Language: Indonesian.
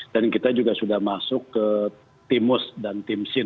dan kita juga sudah masuk ke timus dan tim sipil